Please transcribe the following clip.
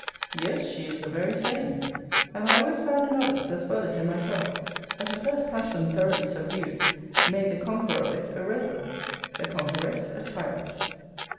Yes, she is the very same. And I always found in others, as well as in myself, that a first passion thoroughly subdued, made the conqueror of it a rover; the conqueress a tyrant.